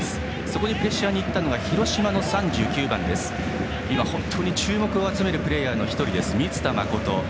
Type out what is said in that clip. そこにプレッシャーに行ったのが広島の３９番、今本当に注目を集めるプレーヤーの１人満田誠。